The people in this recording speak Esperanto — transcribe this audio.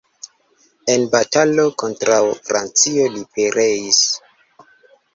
En batalo kontraŭ Francio li pereis.